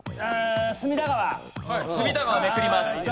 隅田川めくります。